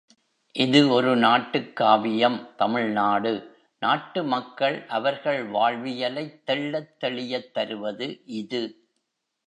இது ஒரு நாட்டுக் காவியம் தமிழ் நாடு, நாட்டு மக்கள் அவர்கள் வாழ்வியலைத் தெள்ளத்தெளியத் தருவது இது.